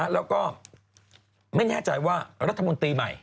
แล้วก็ไม่แน่ใจว่ารัฐมนตรีใหม่